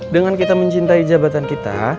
dengan kita mencintai jabatan kita